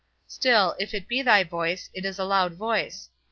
Still, if it be thy voice, it is a loud voice.